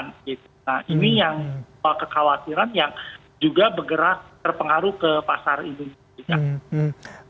nah ini yang kekhawatiran yang juga bergerak terpengaruh ke pasar indonesia